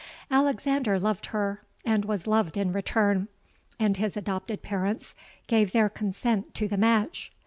Alexander loved her, and was loved in return; and his adopted parents gave their consent to the match.